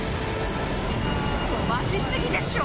飛ばし過ぎでしょ。